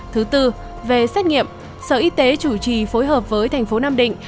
thứ tư về xét nghiệm sở y tế chủ trì phối hợp với thành phố nam định